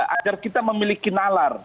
agar kita memiliki nalar